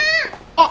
あっ！